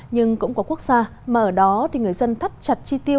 nhưng cũng có quốc gia mà ở đó thì người dân thắt chặt chi tiêu